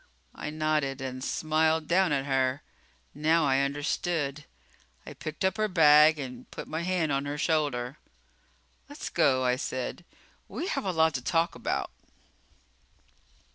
I nodded and smiled down at her. Now I understood. I picked up her bag and put my hand on her shoulder. "Let's go," I said. "We have a lot to talk about."